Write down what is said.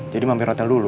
jadi mampir hotel dulu